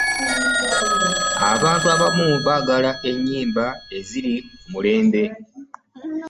abantu abamu baagala ennyimba eziri ku mulembe.